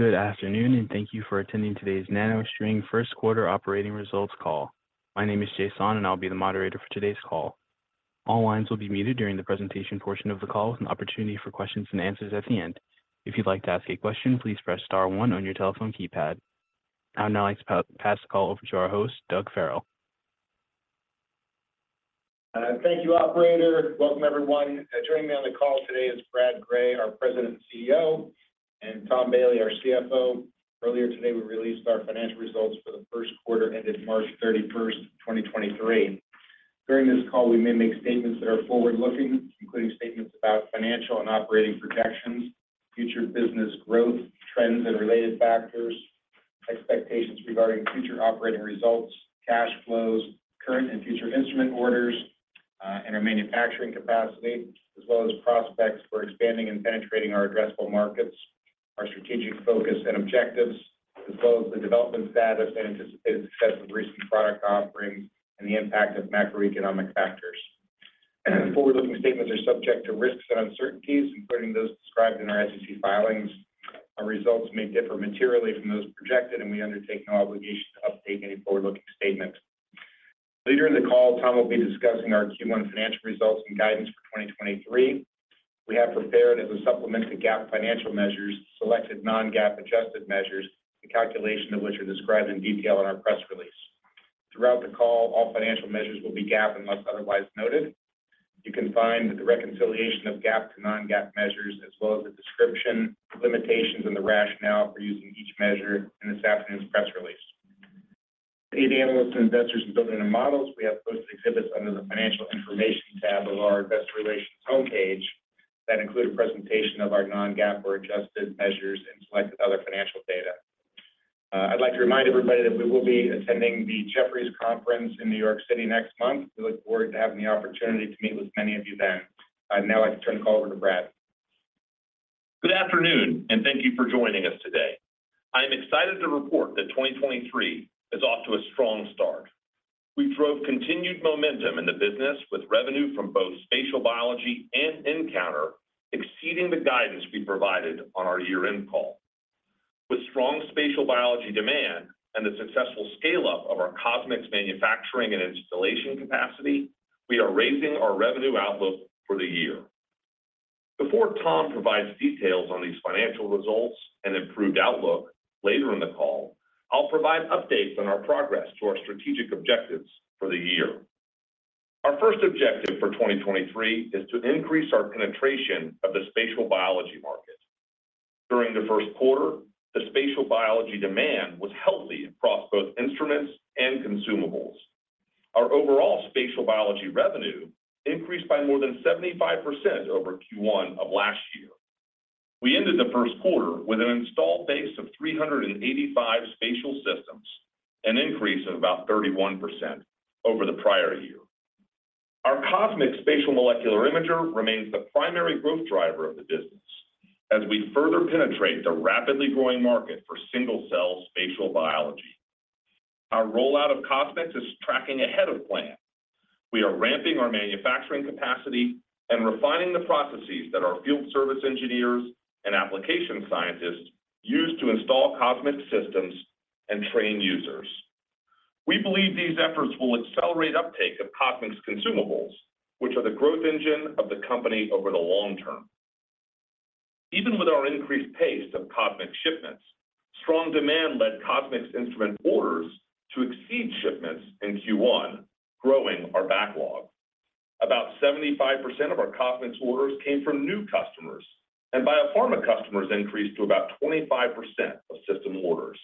Good afternoon, thank you for attending today's NanoString Q1 Operating Results call. My name is Jason, and I'll be the moderator for today's call. All lines will be muted during the presentation portion of the call with an opportunity for questions and answers at the end. If you'd like to ask a question, please press star one on your telephone keypad. I'd now like to pass the call over to our host, Doug Farrell. Thank you, operator. Welcome, everyone. Joining me on the call today is Brad Gray, our President and CEO, and Tom Bailey, our CFO. Earlier today, we released our financial results for the Q1 ended March 31st, 2023. During this call, we may make statements that are forward-looking, including statements about financial and operating projections, future business growth, trends and related factors, expectations regarding future operating results, cash flows, current and future instrument orders, and our manufacturing capacity, as well as prospects for expanding and penetrating our addressable markets, our strategic focus and objectives, as well as the development status and anticipated success of recent product offerings and the impact of macroeconomic factors. Forward-looking statements are subject to risks and uncertainties, including those described in our SEC filings. Our results may differ materially from those projected, and we undertake no obligation to update any forward-looking statements. Later in the call, Tom will be discussing our Q1 financial results and guidance for 2023. We have prepared, as a supplement to GAAP financial measures, selected non-GAAP adjusted measures, the calculation of which are described in detail in our press release. Throughout the call, all financial measures will be GAAP unless otherwise noted. You can find the reconciliation of GAAP to non-GAAP measures as well as a description, limitations and the rationale for using each measure in this afternoon's press release. To aid analysts and investors in building their models, we have posted exhibits under the Financial Information tab of our Investor Relations homepage that include a presentation of our non-GAAP or adjusted measures and selected other financial data. I'd like to remind everybody that we will be attending the Jefferies Conference in New York City next month. We look forward to having the opportunity to meet with many of you then. I'd now like to turn the call over to Brad. Good afternoon, thank you for joining us today. I am excited to report that 2023 is off to a strong start. We drove continued momentum in the business with revenue from both spatial biology and nCounter exceeding the guidance we provided on our year-end call. With strong spatial biology demand and the successful scale-up of our CosMx manufacturing and installation capacity, we are raising our revenue outlook for the year. Before Tom provides details on these financial results and improved outlook later in the call, I'll provide updates on our progress to our strategic objectives for the year. Our first objective for 2023 is to increase our penetration of the spatial biology market. During the Q1, the spatial biology demand was healthy across both instruments and consumables. Our overall spatial biology revenue increased by more than 75% over Q1 of last year. We ended the Q1 with an installed base of 385 spatial systems, an increase of about 31% over the prior year. Our CosMx Spatial Molecular Imager remains the primary growth driver of the business as we further penetrate the rapidly growing market for single-cell spatial biology. Our rollout of CosMx is tracking ahead of plan. We are ramping our manufacturing capacity and refining the processes that our field service engineers and application scientists use to install CosMx systems and train users. We believe these efforts will accelerate uptake of CosMx consumables, which are the growth engine of the company over the long term. Even with our increased pace of CosMx shipments, strong demand led CosMx instrument orders to exceed shipments in Q1, growing our backlog. About 75% of our CosMx orders came from new customers, and biopharma customers increased to about 25% of system orders.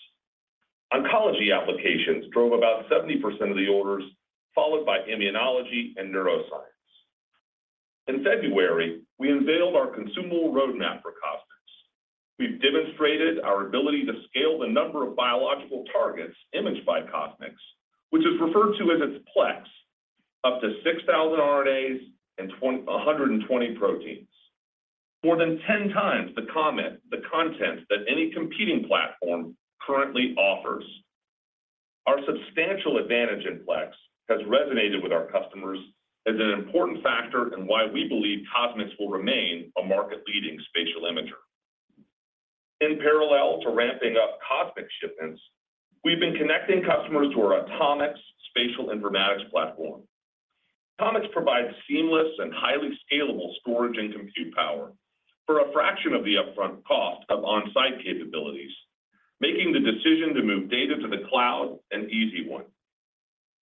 Oncology applications drove about 70% of the orders, followed by immunology and neuroscience. In February, we unveiled our consumable roadmap for CosMx. We've demonstrated our ability to scale the number of biological targets imaged by CosMx, which is referred to as its plex, up to 6,000 RNAs and 120 proteins, more than 10x the content that any competing platform currently offers. Our substantial advantage in plex has resonated with our customers as an important factor in why we believe CosMx will remain a market-leading spatial imager. In parallel to ramping up CosMx shipments, we've been connecting customers to our AtoMx spatial informatics platform. AtoMx provides seamless and highly scalable storage and compute power for a fraction of the upfront cost of on-site capabilities, making the decision to move data to the cloud an easy one.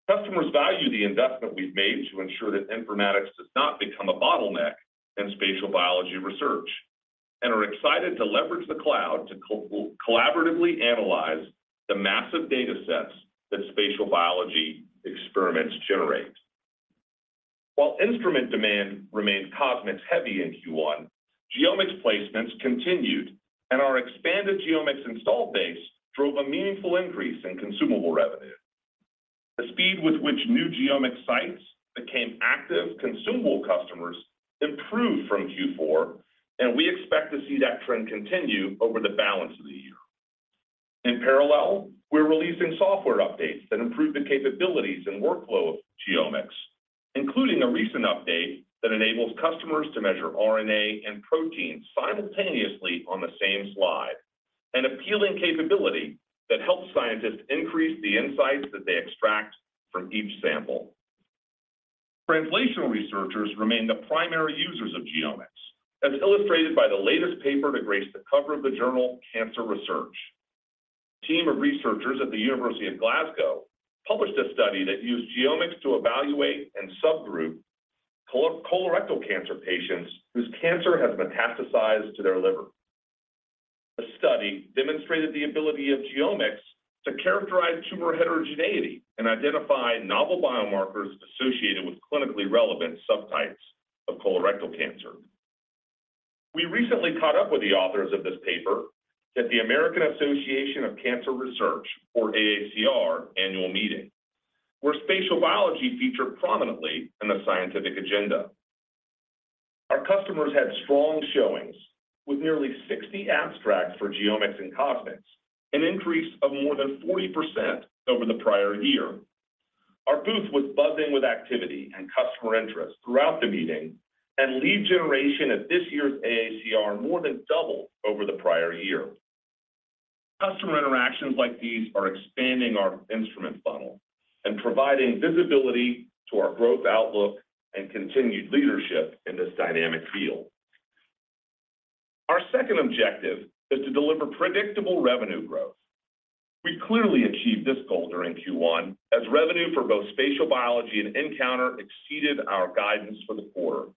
Customers value the investment we've made to ensure that informatics does not become a bottleneck in spatial biology research and are excited to leverage the cloud to co-collaboratively analyze the massive data sets that spatial biology experiments generate. While instrument demand remains CosMx-heavy in Q1, GeoMx placements continued, and our expanded GeoMx installed base drove a meaningful increase in consumable revenue. The speed with which new GeoMx sites became active consumable customers improved from Q4. We expect to see that trend continue over the balance of the year. In parallel, we're releasing software updates that improve the capabilities and workflow of GeoMx, including a recent update that enables customers to measure RNA and proteins simultaneously on the same slide, an appealing capability that helps scientists increase the insights that they extract from each sample. Translational researchers remain the primary users of GeoMx, as illustrated by the latest paper to grace the cover of the journal Cancer Research. A team of researchers at the University of Glasgow published a study that used GeoMx to evaluate and subgroup colorectal cancer patients whose cancer has metastasized to their liver. The study demonstrated the ability of GeoMx to characterize tumor heterogeneity and identify novel biomarkers associated with clinically relevant subtypes of colorectal cancer. We recently caught up with the authors of this paper at the American Association for Cancer Research, or AACR, annual meeting, where spatial biology featured prominently in the scientific agenda. Our customers had strong showings with nearly 60 abstracts for GeoMx and CosMx, an increase of more than 40% over the prior year. Our booth was buzzing with activity and customer interest throughout the meeting, and lead generation at this year's AACR more than doubled over the prior year. Customer interactions like these are expanding our instrument funnel and providing visibility to our growth outlook and continued leadership in this dynamic field. Our second objective is to deliver predictable revenue growth. We clearly achieved this goal during Q1 as revenue for both spatial biology and nCounter exceeded our guidance for the quarter.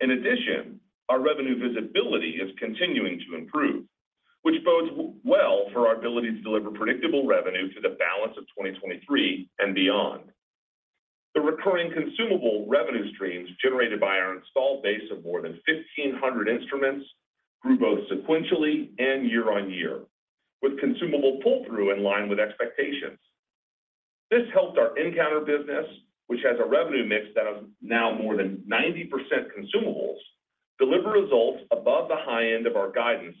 In addition, our revenue visibility is continuing to improve, which bodes well for our ability to deliver predictable revenue through the balance of 2023 and beyond. The recurring consumable revenue streams generated by our installed base of more than 1,500 instruments grew both sequentially and year-on-year, with consumable pull-through in line with expectations. This helped our nCounter business, which has a revenue mix that is now more than 90% consumables, deliver results above the high end of our guidance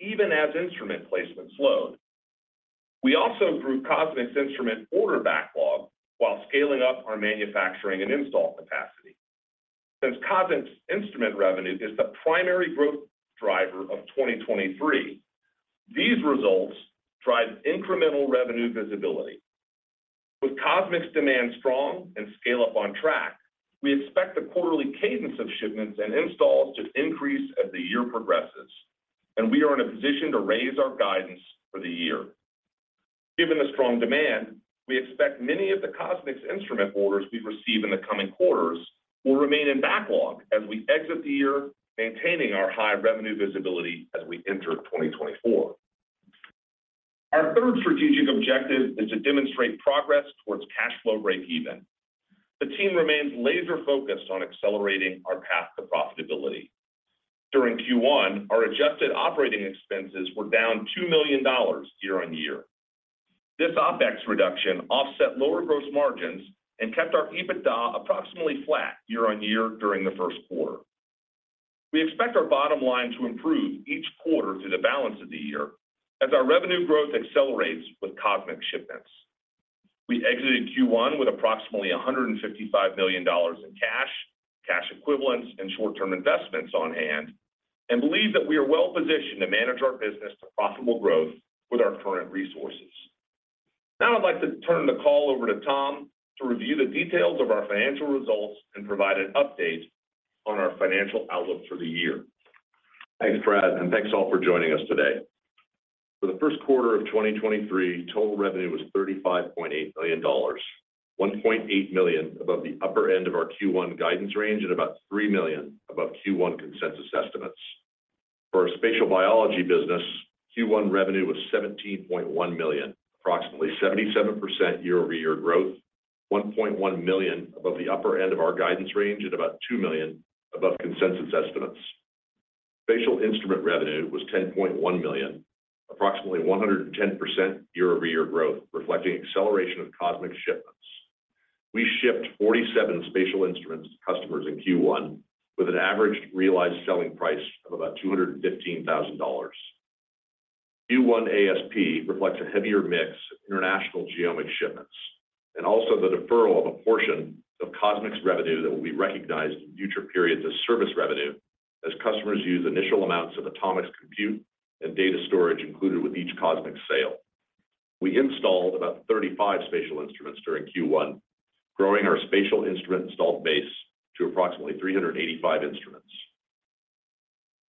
even as instrument placements slowed. We also grew CosMx instrument order backlog while scaling up our manufacturing and install capacity. Since CosMx instrument revenue is the primary growth driver of 2023, these results drive incremental revenue visibility. With CosMx demand strong and scale-up on track, we expect the quarterly cadence of shipments and installs to increase as the year progresses, we are in a position to raise our guidance for the year. Given the strong demand, we expect many of the CosMx instrument orders we receive in the coming quarters will remain in backlog as we exit the year, maintaining our high revenue visibility as we enter 2024. Our third strategic objective is to demonstrate progress towards cash flow breakeven. The team remains laser-focused on accelerating our path to profitability. During Q1, our adjusted operating expenses were down $2 million year-on-year. This OpEx reduction offset lower gross margins and kept our EBITDA approximately flat year-on-year during the Q1. We expect our bottom line to improve each quarter through the balance of the year as our revenue growth accelerates with CosMx shipments. We exited Q1 with approximately $155 million in cash equivalents, and short-term investments on hand and believe that we are well positioned to manage our business to profitable growth with our current resources. Now I'd like to turn the call over to Tom to review the details of our financial results and provide an update on our financial outlook for the year. Thanks, Brad, and thanks, all, for joining us today. For the Q1 of 2023, total revenue was $35.8 million, $1.8 million above the upper end of our Q1 guidance range and about $3 million above Q1 consensus estimates. For our spatial biology business, Q1 revenue was $17.1 million, approximately 77% year-over-year growth, $1.1 million above the upper end of our guidance range and about $2 million above consensus estimates. Spatial instrument revenue was $10.1 million, approximately 110% year-over-year growth, reflecting acceleration of CosMx shipments. We shipped 47 spatial instruments to customers in Q1 with an average realized selling price of about $215,000. Q1 ASP reflects a heavier mix of international GeoMx shipments and also the deferral of a portion of CosMx revenue that will be recognized in future periods as service revenue as customers use initial amounts of AtoMx Compute and data storage included with each CosMx sale. We installed about 35 spatial instruments during Q1, growing our spatial instrument installed base to approximately 385 instruments.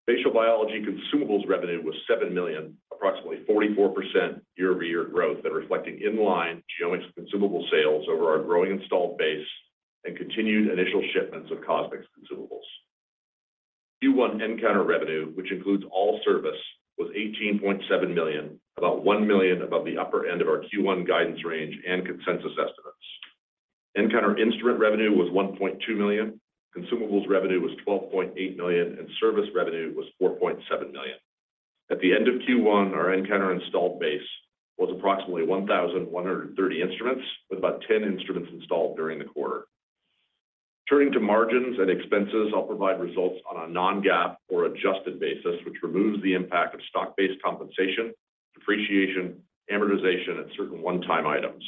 Spatial biology consumables revenue was $7 million, approximately 44% year-over-year growth that are reflecting in-line GeoMx consumable sales over our growing installed base and continued initial shipments of CosMx consumables. Q1 nCounter revenue, which includes all service, was $18.7 million, about $1 million above the upper end of our Q1 guidance range and consensus estimates. nCounter instrument revenue was $1.2 million, consumables revenue was $12.8 million, and service revenue was $4.7 million. At the end of Q1, our nCounter installed base was approximately 1,130 instruments, with about 10 instruments installed during the quarter. Turning to margins and expenses, I'll provide results on a non-GAAP or adjusted basis, which removes the impact of stock-based compensation, depreciation, amortization, and certain one-time items.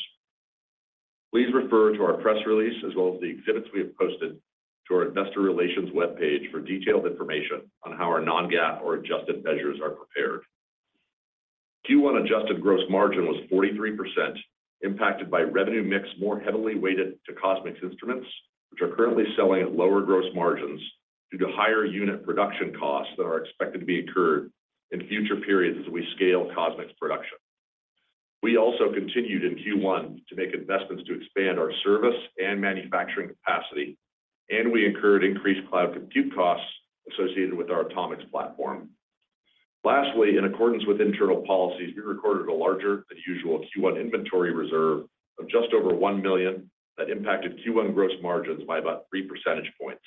Please refer to our press release as well as the exhibits we have posted to our investor relations webpage for detailed information on how our non-GAAP or adjusted measures are prepared. Q1 adjusted gross margin was 43%, impacted by revenue mix more heavily weighted to CosMx instruments, which are currently selling at lower gross margins due to higher unit production costs that are expected to be incurred in future periods as we scale CosMx production. We also continued in Q1 to make investments to expand our service and manufacturing capacity. We incurred increased cloud compute costs associated with our AtoMx platform. Lastly, in accordance with internal policies, we recorded a larger-than-usual Q1 inventory reserve of just over $1 million that impacted Q1 gross margins by about three percentage points.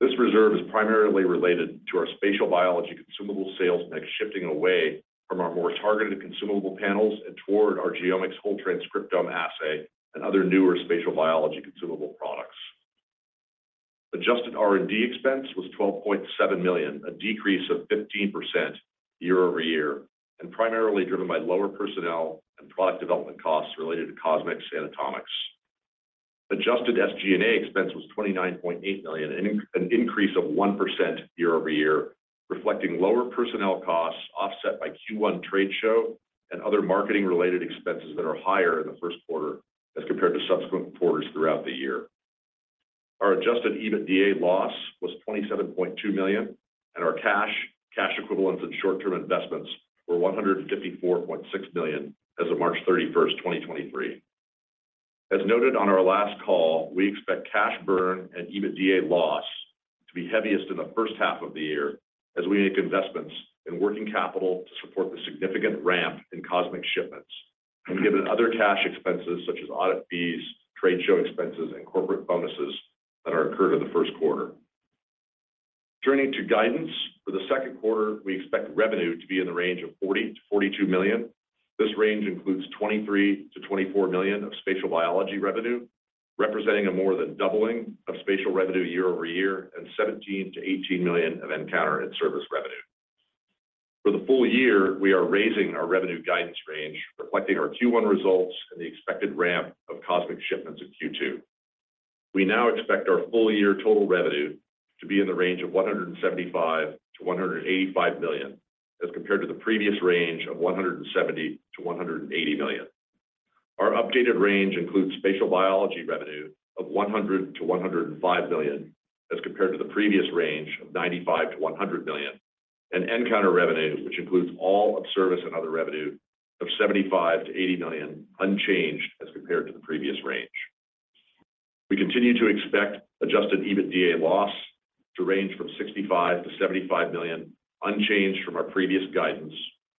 This reserve is primarily related to our spatial biology consumable sales mix shifting away from our more targeted consumable panels and toward our GeoMx whole transcriptome assay and other newer spatial biology consumable products. Adjusted R&D expense was $12.7 million, a decrease of 15% year-over-year. Primarily driven by lower personnel and product development costs related to CosMx and AtoMx. Adjusted SG&A expense was $29.8 million, an increase of 1% year-over-year, reflecting lower personnel costs offset by Q1 trade show and other marketing-related expenses that are higher in the Q1 as compared to subsequent quarters throughout the year. Our adjusted EBITDA loss was $27.2 million. Our cash equivalents and short-term investments were $154.6 million as of March 31st, 2023. As noted on our last call, we expect cash burn and EBITDA loss to be heaviest in the first half of the year as we make investments in working capital to support the significant ramp in CosMx shipments and given other cash expenses such as audit fees, trade show expenses, and corporate bonuses that are incurred in the Q1. Turning to guidance, for the Q2, we expect revenue to be in the range of $40 million-$42 million. This range includes $23 million-$24 million of spatial biology revenue, representing a more than doubling of spatial revenue year-over-year and $17 million-$18 million of nCounter and service revenue. For the full year, we are raising our revenue guidance range, reflecting our Q1 results and the expected ramp of CosMx shipments in Q2. We now expect our full year total revenue to be in the range of $175 million-$185 million, as compared to the previous range of $170 million-$180 million. Our updated range includes spatial biology revenue of $100 million-$105 million, as compared to the previous range of $95 million-$100 million, and nCounter revenue, which includes all of service and other revenue of $75 million-$80 million, unchanged as compared to the previous range. We continue to expect adjusted EBITDA loss to range from $65 million-$75 million, unchanged from our previous guidance,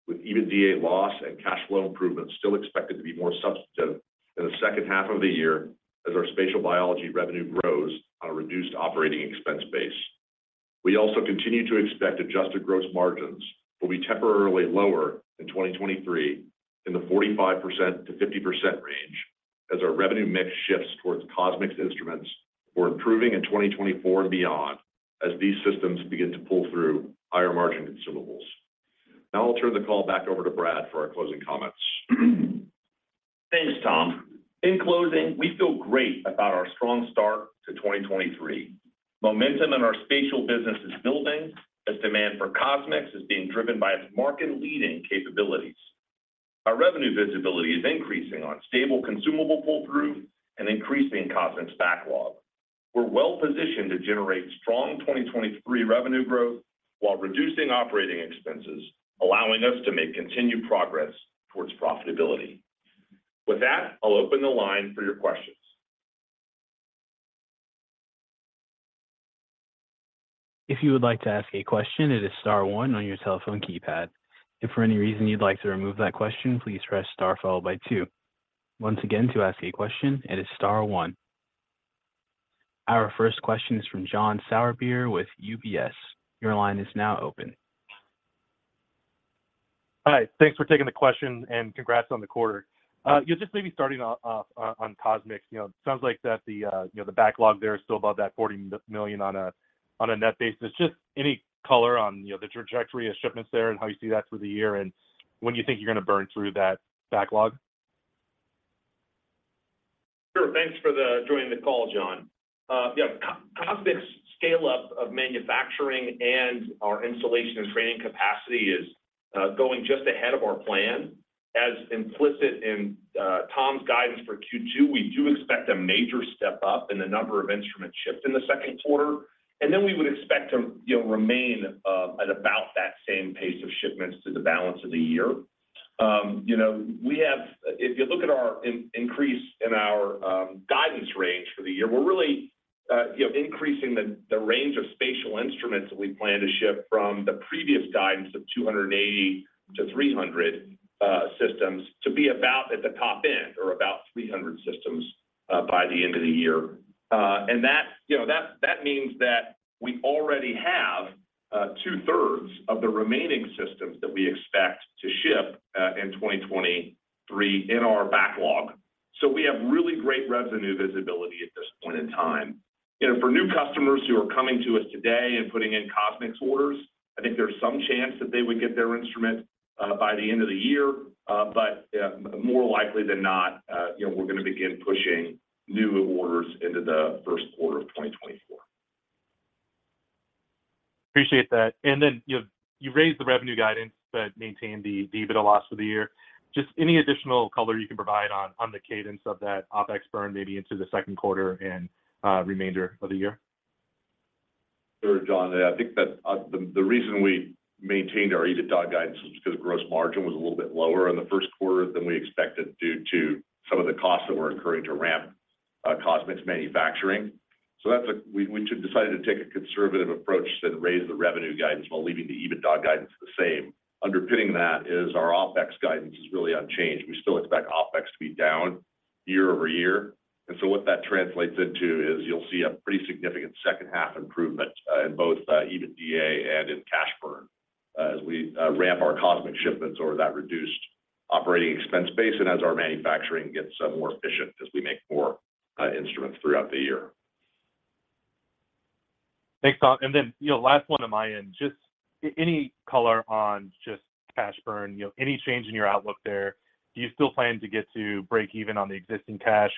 with EBITDA loss and cash flow improvements still expected to be more substantive in the second half of the year as our spatial biology revenue grows on a reduced operating expense base. We also continue to expect adjusted gross margins will be temporarily lower in 2023 in the 45%-50% range as our revenue mix shifts towards CosMx instruments. We're improving in 2024 and beyond as these systems begin to pull through higher-margin consumables. Now, I'll turn the call back over to Brad for our closing comments. Thanks, Tom. In closing, we feel great about our strong start to 2023. Momentum in our spatial business is building as demand for CosMx is being driven by its market-leading capabilities. Our revenue visibility is increasing on stable consumable pull-through and increasing CosMx backlog. We're well-positioned to generate strong 2023 revenue growth while reducing operating expenses, allowing us to make continued progress towards profitability. With that, I'll open the line for your questions. If you would like to ask a question, it is star one on your telephone keypad. If for any reason you'd like to remove that question, please press star followed by two. Once again, to ask a question, it is star one. Our first question is from John Sourbeer with UBS. Your line is now open. Hi. Thanks for taking the question and congrats on the quarter. Just maybe starting off on CosMx. You know, it sounds like that the, you know, the backlog there is still above that $40 million on a, on a net basis. Just any color on, you know, the trajectory of shipments there and how you see that through the year and when you think you're gonna burn through that backlog? Sure. Thanks for joining the call, John. Yeah, CosMx scale up of manufacturing and our installation and training capacity is going just ahead of our plan. As implicit in Tom's guidance for Q2, we do expect a major step up in the number of instrument ships in the Q2. Then we would expect to, you know, remain at about that same pace of shipments through the balance of the year. You know, If you look at our increase in our guidance range for the year, we're really, you know, increasing the range of spatial instruments that we plan to ship from the previous guidance of 280-300 systems to be about at the top end or about 300 systems by the end of the year. And that's, you know, that means that we already have two-thirds of the remaining systems that we expect to ship in 2023 in our backlog. We have really great revenue visibility at this point in time. You know, for new customers who are coming to us today and putting in CosMx orders, I think there's some chance that they would get their instrument by the end of the year. More likely than not, you know, we're going to begin pushing new orders into the Q1 of 2024. Appreciate that. You know, you raised the revenue guidance but maintained the EBITDA loss for the year. Just any additional color you can provide on the cadence of that OpEx burn maybe into the Q2 and remainder of the year? Sure, John. I think that the reason we maintained our EBITDA guidance was because gross margin was a little bit lower in the Q1 than we expected due to some of the costs that we're incurring to ramp CosMx manufacturing. We decided to take a conservative approach to raise the revenue guidance while leaving the EBITDA guidance the same. Underpinning that is our OpEx guidance is really unchanged. We still expect OpEx to be down year-over-year. What that translates into is you'll see a pretty significant second half improvement in both EBITDA and in cash burn as we ramp our CosMx shipments over that reduced operating expense base and as our manufacturing gets more efficient as we make more instruments throughout the year. Thanks, Tom. You know, last one on my end. Just any color on just cash burn, you know, any change in your outlook there? Do you still plan to get to break even on the existing cash,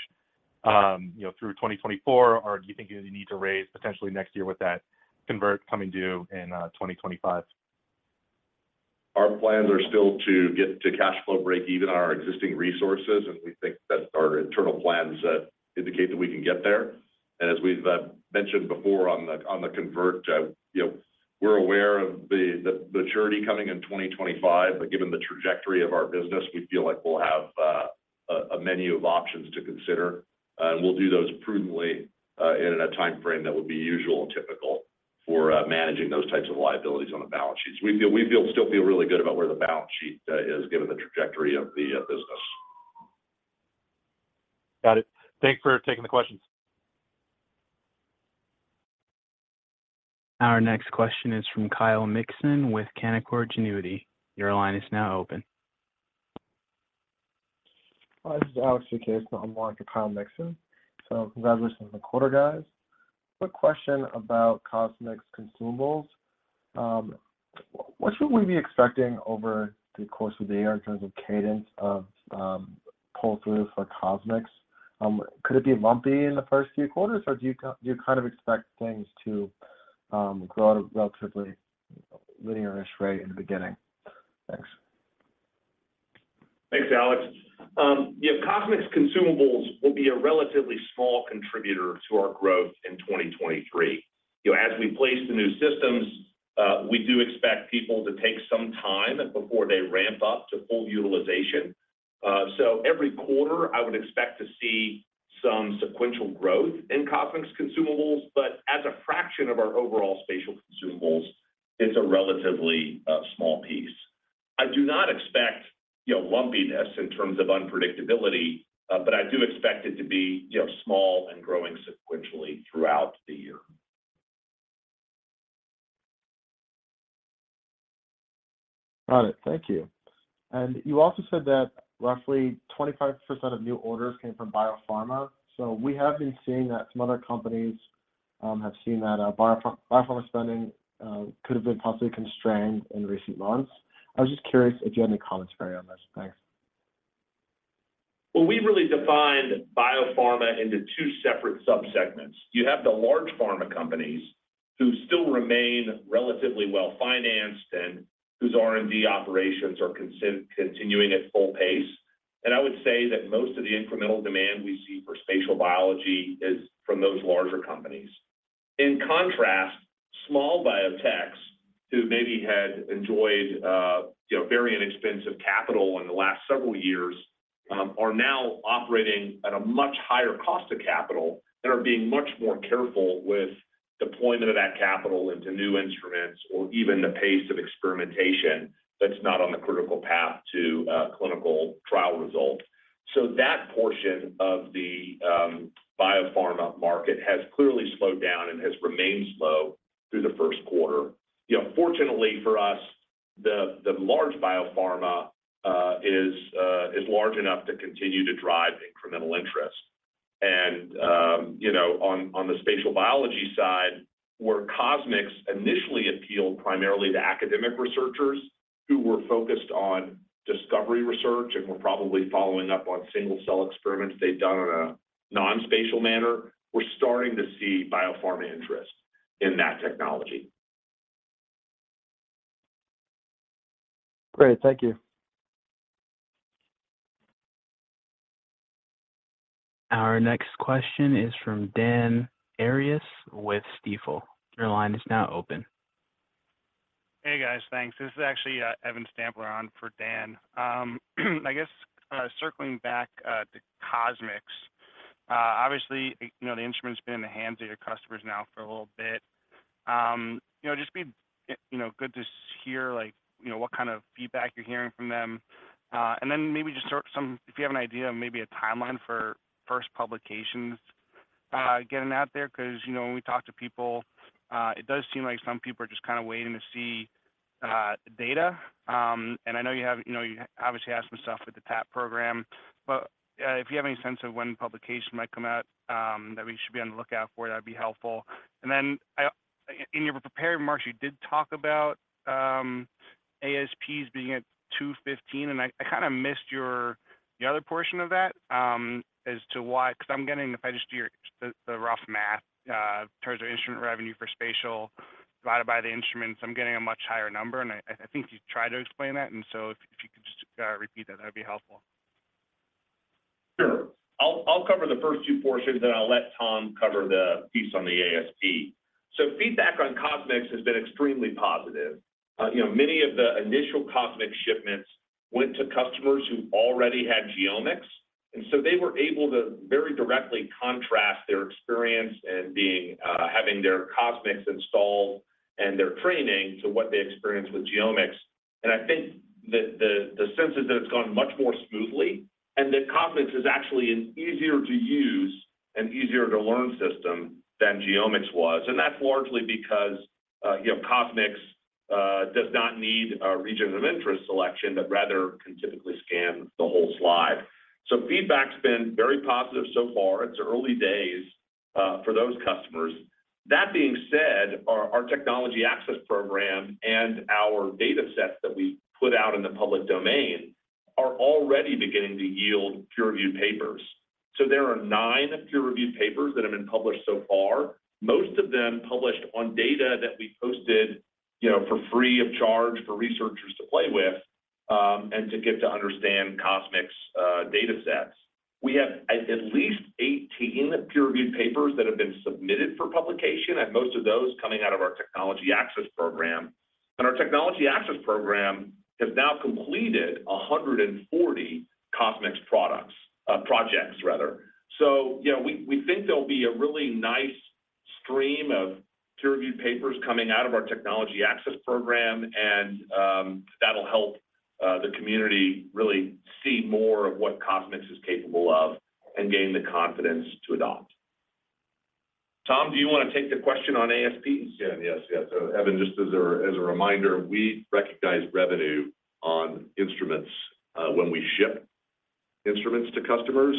you know, through 2024? Or do you think you need to raise potentially next year with that convert coming due in 2025? Our plans are still to get to cash flow break even on our existing resources, and we think that our internal plans indicate that we can get there. As we've mentioned before on the convert, you know, we're aware of the maturity coming in 2025, but given the trajectory of our business, we feel like we'll have a menu of options to consider. We'll do those prudently, in a timeframe that would be usual and typical for managing those types of liabilities on the balance sheets. We still feel really good about where the balance sheet is given the trajectory of the business. Got it. Thanks for taking the questions. Our next question is from Kyle Mikson with Canaccord Genuity. Your line is now open. Hi, this is Alex Jakes. I'm on for Kyle Mikson. Congratulations on the quarter, guys. Quick question about CosMx consumables. What should we be expecting over the course of the year in terms of cadence of pull-throughs for CosMx? Could it be lumpy in the first few quarters, or do you kind of expect things to grow at a relatively linear-ish rate in the beginning? Thanks. Thanks, Alex. Yeah, CosMx consumables will be a relatively small contributor to our growth in 2023. You know, as we place the new systems, we do expect people to take some time before they ramp up to full utilization. Every quarter I would expect to see some sequential growth in CosMx consumables, but as a fraction of our overall spatial consumables, it's a relatively small piece. I do not expect, you know, lumpiness in terms of unpredictability, but I do expect it to be, you know, small and growing sequentially throughout the year. Got it. Thank you. You also said that roughly 25% of new orders came from biopharma. We have been seeing that some other companies, have seen that, biopharma spending, could have been possibly constrained in recent months. I was just curious if you had any commentary on this. Thanks. We've really defined biopharma into two separate subsegments. You have the large pharma companies who still remain relatively well-financed and whose R&D operations are continuing at full pace. I would say that most of the incremental demand we see for spatial biology is from those larger companies. In contrast, small biotechs who maybe had enjoyed, you know, very inexpensive capital in the last several years, are now operating at a much higher cost of capital and are being much more careful with deployment of that capital into new instruments or even the pace of experimentation that's not on the critical path to a clinical trial result. That portion of the biopharma market has clearly slowed down and has remained slow through the Q1. You know, fortunately for us, the large biopharma is large enough to continue to drive incremental interest. You know, on the spatial biology side, where CosMx initially appealed primarily to academic researchers who were focused on discovery research and were probably following up on single-cell experiments they'd done in a non-spatial manner, we're starting to see biopharma interest in that technology. Great. Thank you. Our next question is from Dan Arias with Stifel. Your line is now open. Hey, guys. Thanks. This is actually Evan Stampler on for Dan. I guess, circling back to CosMx, obviously, you know, the instrument's been in the hands of your customers now for a little bit. You know, it'd just be, you know, good to hear like, you know, what kind of feedback you're hearing from them. Maybe just if you have an idea of maybe a timeline for first publications getting out there because, you know, when we talk to people, it does seem like some people are just kind of waiting to see data. I know you know, you obviously have some stuff with the TAP program, but if you have any sense of when publication might come out, that we should be on the lookout for, that'd be helpful. In your prepared remarks, you did talk about ASPs being at $215, I kind of missed the other portion of that as to why. I'm getting, if I just do the rough math in terms of instrument revenue for spatial divided by the instruments, I'm getting a much higher number, I think you tried to explain that. If you could just repeat that'd be helpful. Sure. I'll cover the first two portions, then I'll let Tom cover the piece on the ASP. Feedback on CosMx has been extremely positive. You know, many of the initial CosMx shipments went to customers who already had GeoMx, and so they were able to very directly contrast their experience in being having their CosMx installed and their training to what they experienced with GeoMx. I think the sense is that it's gone much more smoothly and that CosMx is actually an easier to use and easier to learn system than GeoMx was. That's largely because, you know, CosMx does not need a region of interest selection, but rather can typically scan the whole slide. Feedback's been very positive so far. It's early days for those customers. That being said, our Technology Access Program and our data sets that we put out in the public domain are already beginning to yield peer-reviewed papers. There are nine peer-reviewed papers that have been published so far, most of them published on data that we posted, you know, for free of charge for researchers to play with, and to get to understand CosMx data sets. We have at least 18 peer-reviewed papers that have been submitted for publication, most of those coming out of our Technology Access Program. Our Technology Access Program has now completed 140 CosMx products, projects rather. You know, we think there'll be a really nice stream of peer-reviewed papers coming out of our technology access program, and that'll help the community really see more of what CosMx is capable of and gain the confidence to adopt. Tom, do you want to take the question on ASPs? Yeah. Yes, yes. Evan, just as a reminder, we recognize revenue on instruments when we ship instruments to customers.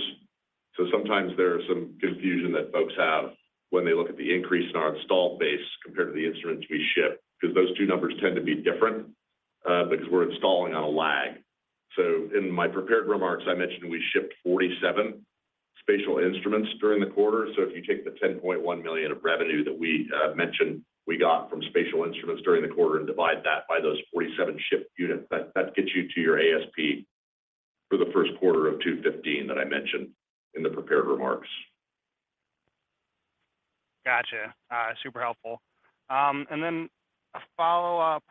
Sometimes there's some confusion that folks have when they look at the increase in our installed base compared to the instruments we ship, 'cause those two numbers tend to be different because we're installing on a lag. In my prepared remarks, I mentioned we shipped 47 spatial instruments during the quarter. If you take the $10.1 million of revenue that we mentioned we got from spatial instruments during the quarter and divide that by those 47 shipped units, that gets you to your ASP for the Q1 of $215 that I mentioned in the prepared remarks. Gotcha. Super helpful. A follow-up.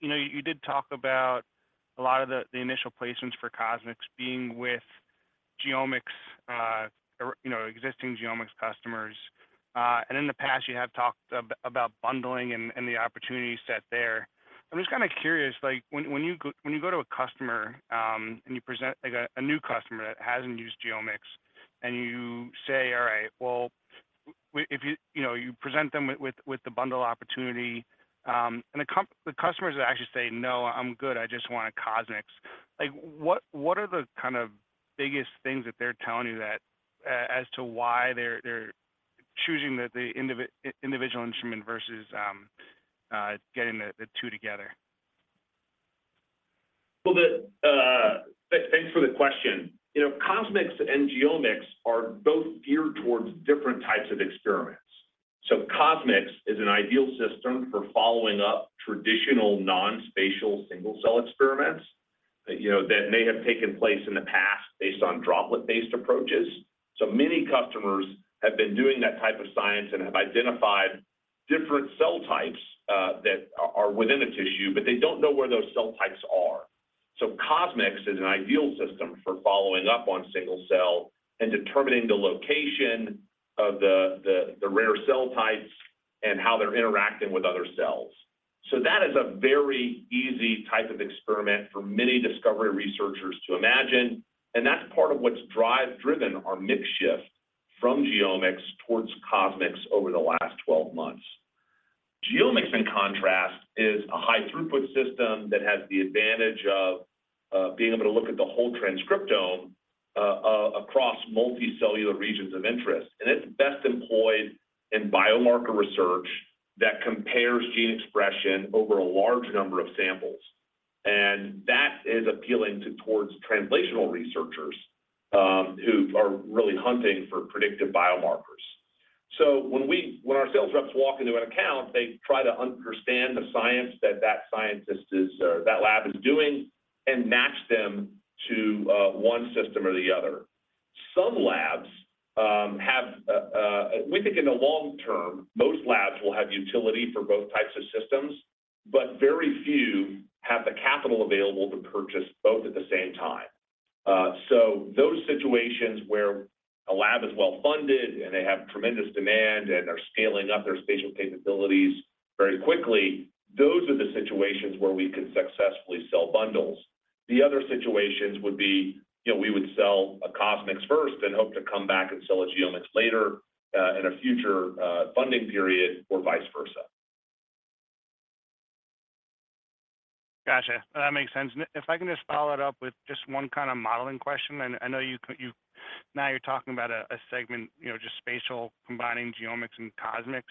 You know, you did talk about a lot of the initial placements for CosMx being with GeoMx, or, you know, existing GeoMx customers. In the past you have talked about bundling and the opportunity set there. I'm just kind of curious, like when you go to a customer and you present like a new customer that hasn't used GeoMx and you say, "All right, well, if you..." You know, you present them with the bundle opportunity, and the customers actually say, "No, I'm good. I just want a CosMx." Like, what are the kind of biggest things that they're telling you that as to why they're choosing the individual instrument versus getting the two together? Well, thanks for the question. You know, CosMx and GeoMx are both geared towards different types of experiments. CosMx is an ideal system for following up traditional non-spatial single-cell experiments, you know, that may have taken place in the past based on droplet-based approaches. Many customers have been doing that type of science and have identified different cell types that are within a tissue, but they don't know where those cell types are. CosMx is an ideal system for following up on single cell and determining the location of the rare cell types and how they're interacting with other cells. That is a very easy type of experiment for many discovery researchers to imagine, and that's part of what's driven our mix shift from GeoMx towards CosMx over the last 12 months. GeoMx, in contrast, is a high throughput system that has the advantage of being able to look at the whole transcriptome across multicellular regions of interest. It's best employed in biomarker research that compares gene expression over a large number of samples. That is appealing towards translational researchers who are really hunting for predictive biomarkers. When our sales reps walk into an account, they try to understand the science that that scientist is, or that lab is doing and match them to one system or the other. Some labs. We think in the long term, most labs will have utility for both types of systems, but very few have the capital available to purchase both at the same time. Those situations where a lab is well-funded and they have tremendous demand and are scaling up their spatial capabilities very quickly, those are the situations where we can successfully sell bundles. The other situations would be, you know, we would sell a CosMx first, then hope to come back and sell a GeoMx later, in a future funding period or vice versa. Gotcha. That makes sense. If I can just follow it up with just one kind of modeling question. I know you Now you're talking about a segment, just spatial combining GeoMx and CosMx.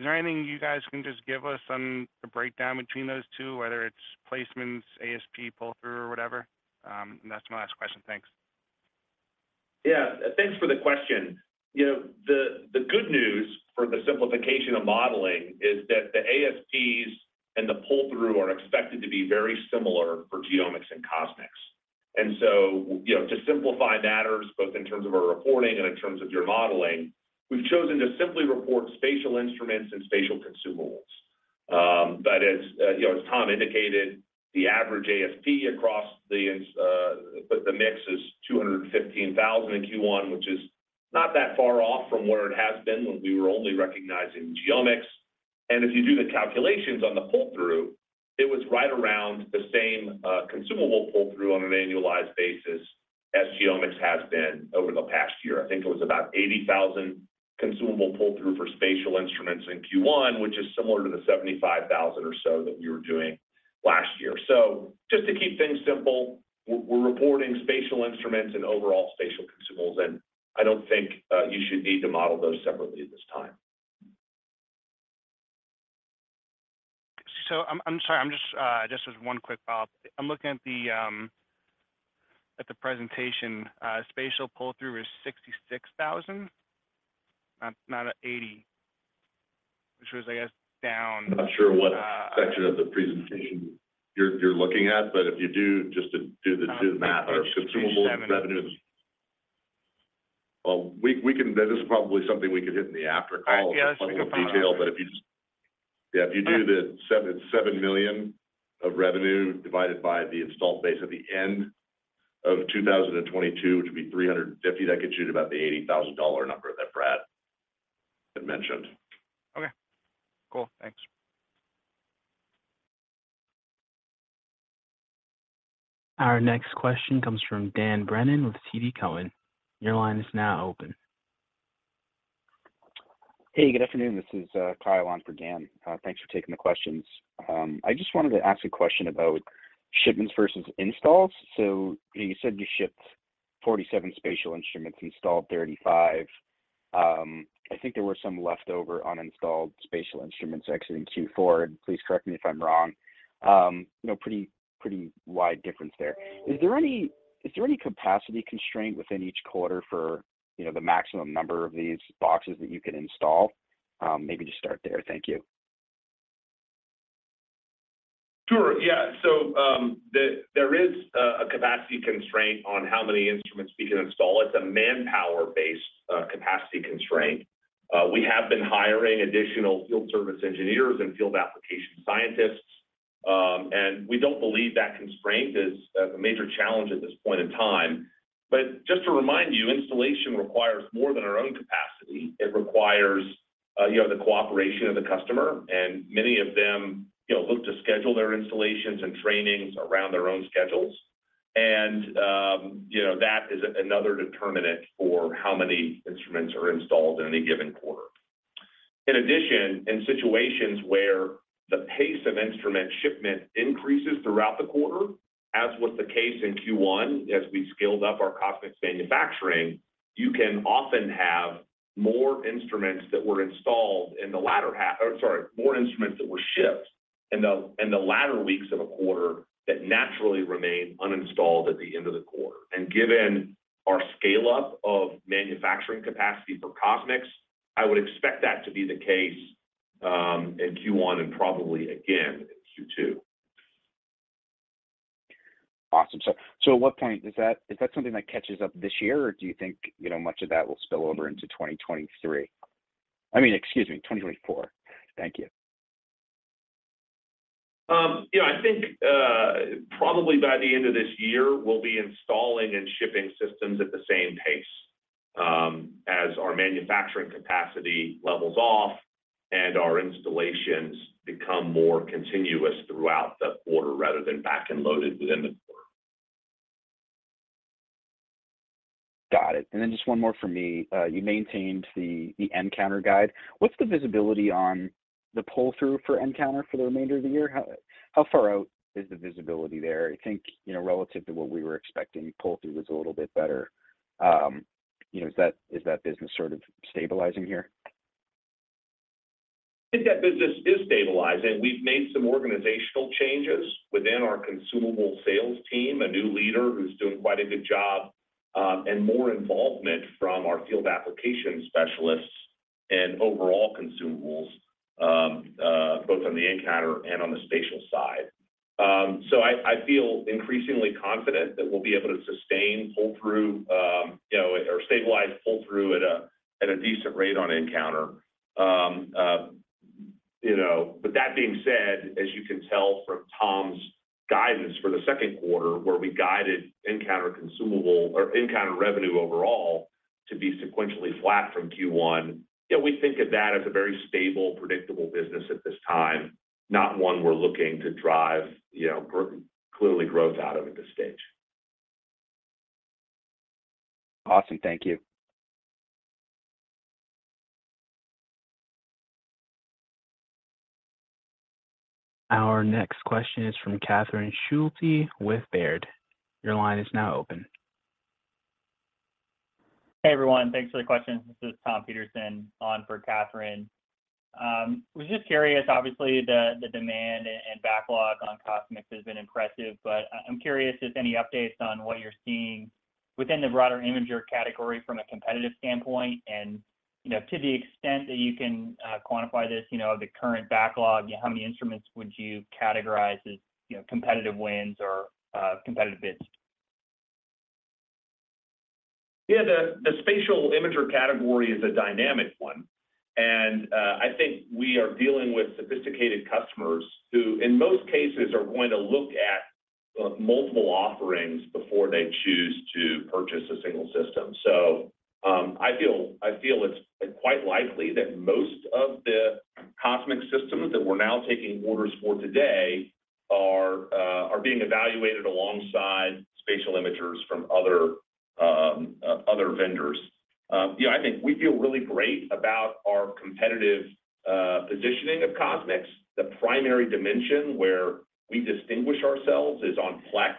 Is there anything you guys can just give us some, a breakdown between those two, whether it's placements, ASP pull-through or whatever? that's my last question. Thanks. Yeah. Thanks for the question. You know, the good news for the simplification of modeling is that the ASPs and the pull-through are expected to be very similar for GeoMx and CosMx. You know, to simplify matters both in terms of our reporting and in terms of your modeling, we've chosen to simply report spatial instruments and spatial consumables. But as, you know, as Tom indicated, the average ASP across the mix is $215,000 in Q1, which is not that far off from where it has been when we were only recognizing GeoMx. If you do the calculations on the pull-through, it was right around the same consumable pull-through on an annualized basis as GeoMx has been over the past year. I think it was about $80,000 consumable pull-through for spatial instruments in Q1, which is similar to the $75,000 or so that we were doing last year. Just to keep things simple, we're reporting spatial instruments and overall spatial consumables, and I don't think you should need to model those separately this time. I'm sorry, I'm just. Just as one quick follow-up. I'm looking at the at the presentation. Spatial pull-through is $66,000, not $80,000 which was, I guess, down. I'm not sure what section of the presentation you're looking at. If you do, just to do the math-. It's page seven. Well. That is probably something we could hit in the after call as a point of detail. All right. Yeah. If you just... Yeah, if you do the $7 million of revenue divided by the installed base at the end of 2022, which would be 350, that gets you to about the $80,000 number that Brad had mentioned. Okay, cool. Thanks. Our next question comes from Dan Brennan with TD Cowen. Your line is now open. Hey, good afternoon. This is Kyle on for Dan. Thanks for taking the questions. I just wanted to ask a question about shipments versus installs. You said you shipped 47 spatial instruments, installed 35. I think there were some leftover uninstalled spatial instruments actually in Q4, and please correct me if I'm wrong. You know, pretty wide difference there. Is there any, is there any capacity constraint within each quarter for, you know, the maximum number of these boxes that you can install? Maybe just start there. Thank you. Sure. Yeah. There is a capacity constraint on how many instruments we can install. It's a manpower-based capacity constraint. We have been hiring additional field service engineers and field application scientists. We don't believe that constraint is a major challenge at this point in time. Just to remind you, installation requires more than our own capacity. It requires, you know, the cooperation of the customer, and many of them, you know, look to schedule their installations and trainings around their own schedules. That is another determinant for how many instruments are installed in any given quarter. In addition, in situations where the pace of instrument shipment increases throughout the quarter, as was the case in Q1 as we scaled up our CosMx manufacturing, you can often have more instruments that were shipped in the latter weeks of a quarter that naturally remain uninstalled at the end of the quarter. Given our scale-up of manufacturing capacity for CosMx, I would expect that to be the case in Q1 and probably again in Q2. Awesome. At what point is that something that catches up this year, or do you think, you know, much of that will spill over into 2023? I mean, excuse me, 2024. Thank you. You know, I think, probably by the end of this year, we'll be installing and shipping systems at the same pace, as our manufacturing capacity levels off and our installations become more continuous throughout the quarter rather than back-end loaded within the quarter. Got it. Just one more from me. You maintained the nCounter guide. What's the visibility on the pull-through for nCounter for the remainder of the year? How far out is the visibility there? I think, you know, relative to what we were expecting, pull-through was a little bit better. You know, is that business sort of stabilizing here? I think that business is stabilizing. We've made some organizational changes within our consumable sales team, a new leader who's doing quite a good job, and more involvement from our field application specialists in overall consumables, both on the nCounter and on the spatial side. I feel increasingly confident that we'll be able to sustain pull-through, you know, or stabilize pull-through at a, at a decent rate on nCounter. You know, that being said, as you can tell from Tom's guidance for the Q2 where we guided nCounter consumable or nCounter revenue overall to be sequentially flat from Q1, we think of that as a very stable, predictable business at this time, not one we're looking to drive, clearly growth out of at this stage. Awesome. Thank you. Our next question is from Catherine Schulte with Baird. Your line is now open. Hey, everyone. Thanks for the question. This is Tom Peterson on for Catherine. Was just curious, obviously, the demand and backlog on CosMx has been impressive. I'm curious if any updates on what you're seeing within the broader imager category from a competitive standpoint and, you know, to the extent that you can, quantify this, you know, the current backlog, how many instruments would you categorize as, you know, competitive wins or, competitive bids? The spatial imager category is a dynamic one, and I think we are dealing with sophisticated customers who in most cases are going to look at multiple offerings before they choose to purchase a single system. I feel it's quite likely that most of the CosMx systems that we're now taking orders for today are being evaluated alongside spatial imagers from other other vendors. You know, I think we feel really great about our competitive positioning of CosMx. The primary dimension where we distinguish ourselves is on plex,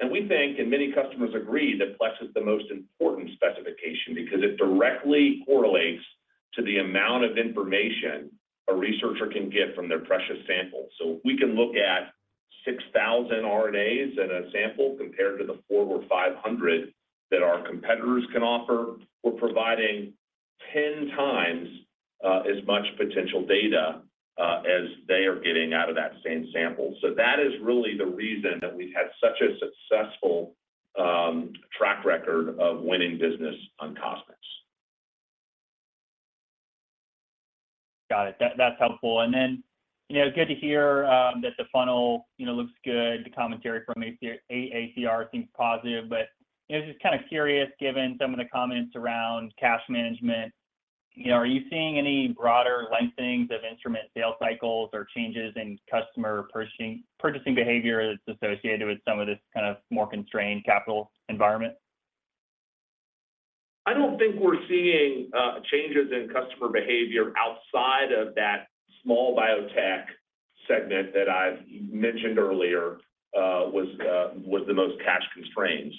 and we think, and many customers agree, that plex is the most important specification because it directly correlates to the amount of information a researcher can get from their precious sample. If we can look at 6,000 RNAs in a sample compared to the 400 or 500 that our competitors can offer, we're providing 10x as much potential data as they are getting out of that same sample. That is really the reason that we've had such a successful track record of winning business on CosMx. Got it. That's helpful. Then, you know, good to hear that the funnel, you know, looks good. The commentary from ACR seems positive. You know, just kind of curious, given some of the comments around cash management, you know, are you seeing any broader lengthenings of instrument sales cycles or changes in customer purchasing behavior that's associated with some of this kind of more constrained capital environment? I don't think we're seeing changes in customer behavior outside of that small biotech segment that I've mentioned earlier, was the most cash constrained.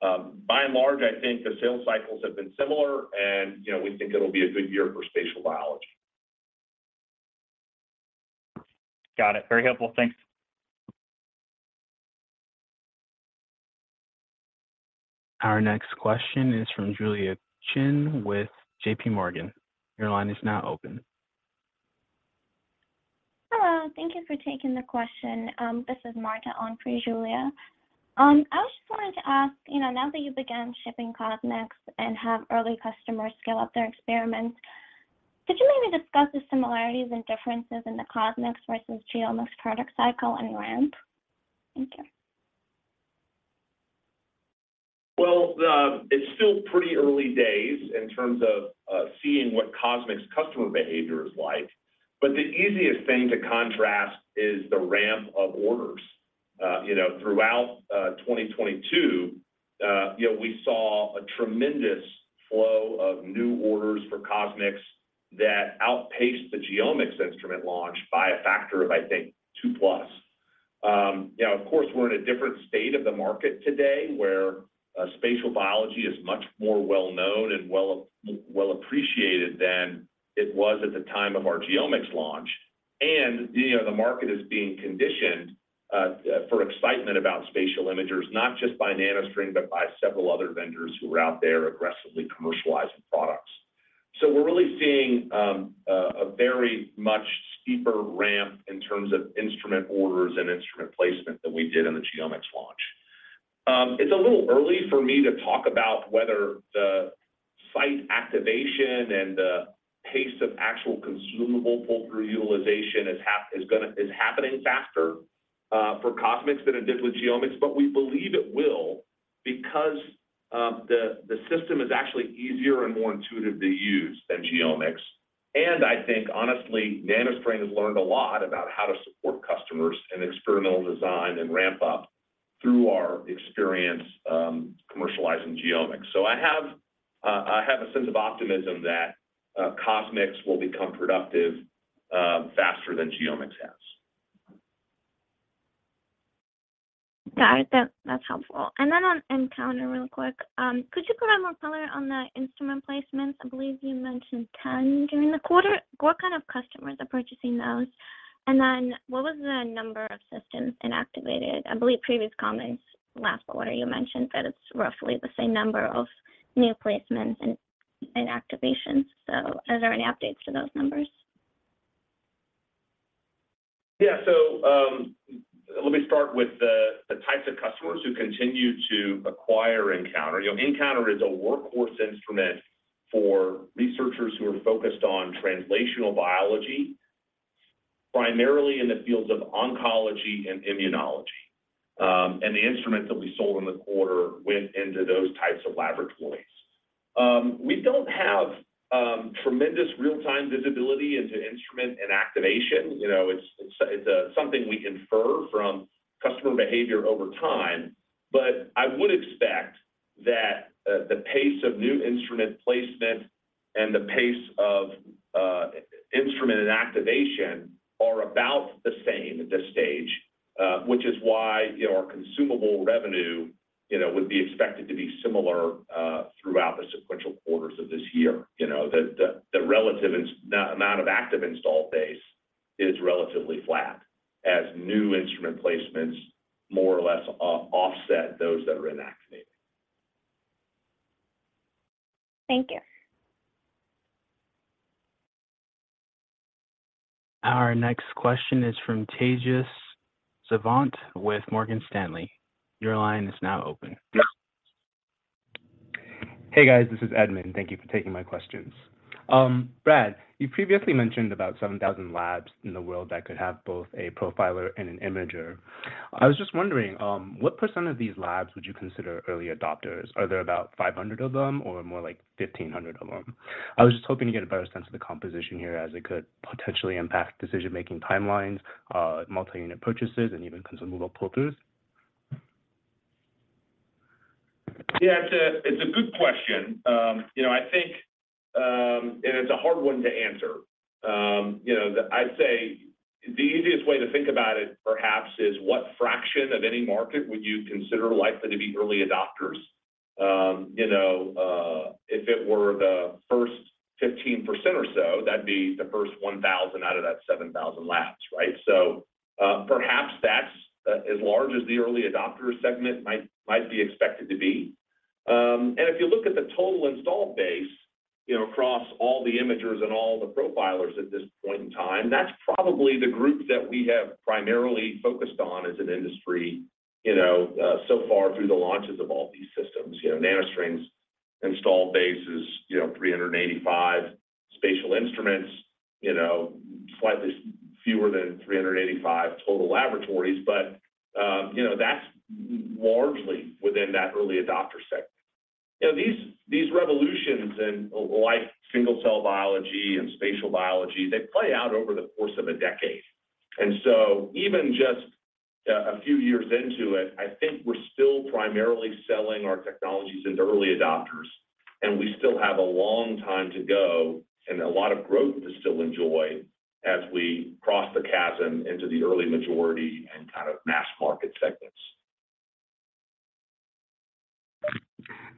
By and large, I think the sales cycles have been similar and, you know, we think it'll be a good year for spatial biology. Got it. Very helpful. Thanks. Our next question is from Julia Qin with JPMorgan. Your line is now open. Hello. Thank you for taking the question. This is Marta on for Julia. I was just wanting to ask, you know, now that you've begun shipping CosMx and have early customers scale up their experiments, could you maybe discuss the similarities and differences in the CosMx versus GeoMx product cycle and ramp? Thank you. Well, it's still pretty early days in terms of seeing what CosMx customer behavior is like, but the easiest thing to contrast is the ramp of orders. You know, throughout 2022, you know, we saw a tremendous flow of new orders for CosMx that outpaced the GeoMx instrument launch by a factor of, I think, two plus. You know, of course, we're in a different state of the market today, where spatial biology is much more well known and well appreciated than it was at the time of our GeoMx launch. You know, the market is being conditioned for excitement about spatial imagers, not just by NanoString, but by several other vendors who are out there aggressively commercializing products. We're really seeing a very much steeper ramp in terms of instrument orders and instrument placement than we did in the GeoMx launch. It's a little early for me to talk about whether the site activation and the pace of actual consumable pull-through utilization is happening faster for CosMx than it did with GeoMx, but we believe it will because the system is actually easier and more intuitive to use than GeoMx. I think honestly, NanoString has learned a lot about how to support customers in experimental design and ramp up through our experience commercializing GeoMx. I have a sense of optimism that CosMx will become productive faster than GeoMx has. Got it. That, that's helpful. Then on nCounter real quick, could you put out more color on the instrument placements? I believe you mentioned 10 during the quarter. What kind of customers are purchasing those? Then what was the number of systems inactivated? I believe previous comments last quarter you mentioned that it's roughly the same number of new placements and activations. Are there any updates to those numbers? Let me start with the types of customers who continue to acquire nCounter. You know, nCounter is a workhorse instrument for researchers who are focused on translational biology. Primarily in the fields of oncology and immunology. The instruments that we sold in the quarter went into those types of laboratories. We don't have tremendous real-time visibility into instrument and activation. You know, it's something we infer from customer behavior over time. I would expect that the pace of new instrument placement and the pace of instrument and activation are about the same at this stage, which is why, you know, our consumable revenue, you know, would be expected to be similar throughout the sequential quarters of this year. You know, the relative amount of active install base is relatively flat as new instrument placements more or less offset those that are inactivated. Thank you. Our next question is from Tejas Savant with Morgan Stanley. Your line is now open. Hey, guys. This is Edmond. Thank you for taking my questions. Brad, you previously mentioned about 7,000 labs in the world that could have both a profiler and an imager. I was just wondering, what % of these labs would you consider early adopters? Are there about 500 of them or more like 1,500 of them? I was just hoping to get a better sense of the composition here as it could potentially impact decision-making timelines, multi-unit purchases, and even consumable pull-throughs. Yeah, it's a good question. You know, I think, and it's a hard one to answer. You know, I'd say the easiest way to think about it perhaps is what fraction of any market would you consider likely to be early adopters. You know, if it were the first 15% or so, that'd be the first 1,000 out of that 7,000 labs, right? Perhaps that's as large as the early adopter segment might be expected to be. If you look at the total installed base, you know, across all the imagers and all the profilers at this point in time, that's probably the group that we have primarily focused on as an industry, you know, so far through the launches of all these systems. You know, NanoString's installed base is, you know, 385 spatial instruments, you know, slightly fewer than 385 total laboratories. You know, that's largely within that early adopter sector. You know, these revolutions in life, single cell biology and spatial biology, they play out over the course of a decade. Even just a few years into it, I think we're still primarily selling our technologies into early adopters, and we still have a long time to go and a lot of growth to still enjoy as we cross the chasm into the early majority and kind of mass market segments.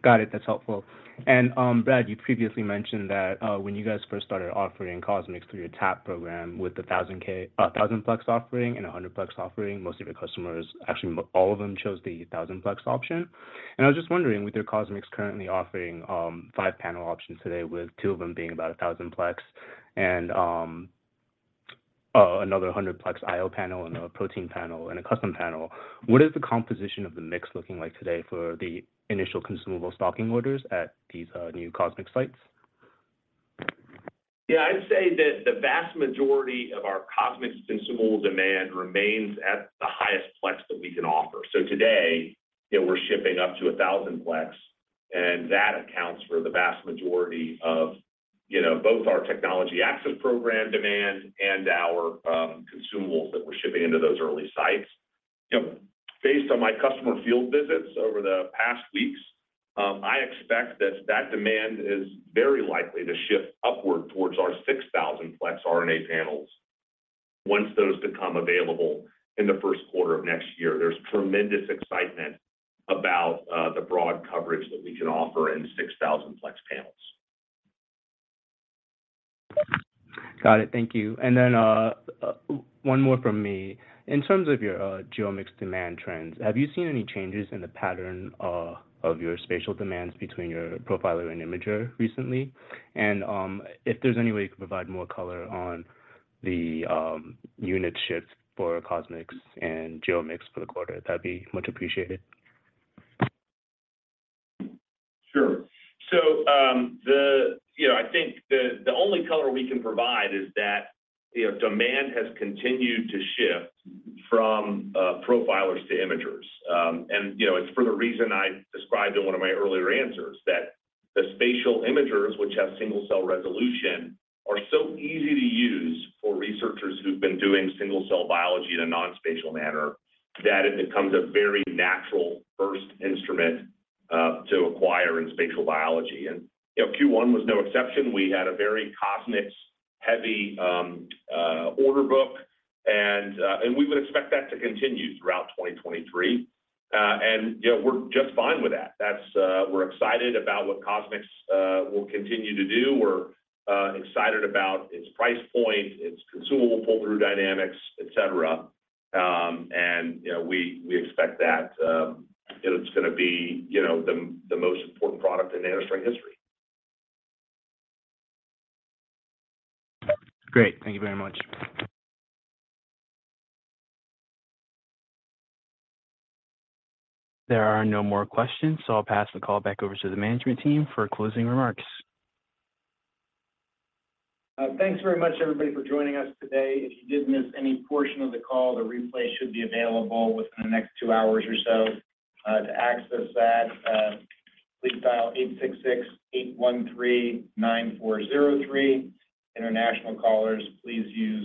Got it. That's helpful. Brad, you previously mentioned that when you guys first started offering CosMx through your TAP program with a 1,000-plex offering and a 100-plex offering, most of your customers, actually, all of them chose the 1,000-plex option. I was just wondering, with your CosMx currently offering 5 panel options today with 2 of them being about a 1,000 plex and another 100 plex IO panel and a protein panel and a custom panel, what is the composition of the mix looking like today for the initial consumable stocking orders at these new CosMx sites? Yeah, I'd say that the vast majority of our CosMx consumable demand remains at the highest plex that we can offer. Today, you know, we're shipping up to 1,000 plex, and that accounts for the vast majority of, you know, both our technology access program demand and our consumables that we're shipping into those early sites. You know, based on my customer field visits over the past weeks, I expect that that demand is very likely to shift upward towards our 6,000 plex RNA panels once those become available in the Q1 of next year. There's tremendous excitement about the broad coverage that we can offer in 6,000 plex panels. Got it. Thank you. One more from me. In terms of your GeoMx demand trends, have you seen any changes in the pattern of your spatial demands between your profiler and imager recently? If there's any way you can provide more color on the unit shifts for CosMx and GeoMx for the quarter, that'd be much appreciated. Sure. You know, I think the only color we can provide is that, you know, demand has continued to shift from profilers to imagers. You know, it's for the reason I described in one of my earlier answers, that the spatial imagers, which have single cell resolution, are so easy to use for researchers who've been doing single cell biology in a non-spatial manner that it becomes a very natural first instrument to acquire in spatial biology. You know, Q1 was no exception. We had a very CosMx heavy order book and we would expect that to continue throughout 2023. You know, we're just fine with that. That's we're excited about what CosMx will continue to do. We're excited about its price point, its consumable pull-through dynamics, et cetera. You know, we expect that, you know, it's gonna be, you know, the most important product in NanoString history. Great. Thank you very much. There are no more questions. I'll pass the call back over to the management team for closing remarks. Thanks very much, everybody, for joining us today. If you did miss any portion of the call, the replay should be available within the next two hours or so. To access that, please dial 866-813-9403. International callers, please use.